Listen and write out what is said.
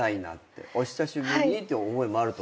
お久しぶりにって思いもあると思いますけど。